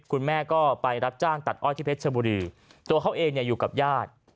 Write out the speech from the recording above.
คุณแม่ก็ไปรับจ้างตัดอ้อยที่เพชรชบุรีตัวเขาเองเนี่ยอยู่กับญาติ